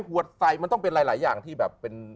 หัวใสมันต้องเป็นหลายอย่างที่แบบ